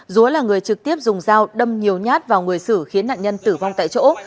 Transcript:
dúa là người trực tiếp dùng dao đâm nhiều nhát vào người sử khiến nạn nhân tử vong tại chỗ